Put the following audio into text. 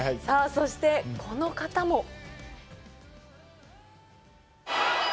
さあそしてこの方も。